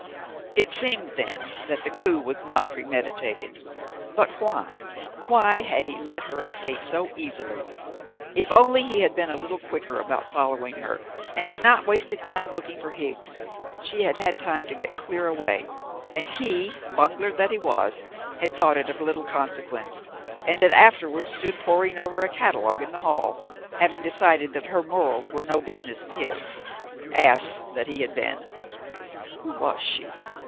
It seemed, then, that the coup was not premeditated. But why, why, had he let her escape so easily? If only he had been a little quicker about following her, and had not wasted time looking for Higgs! She had had time to get clear away; and he, bungler that he was, had thought it of little consequence, and had afterwards stood poring over a catalogue in the hall, having decided that her morals were no business of his. Ass that he had been! Who was she?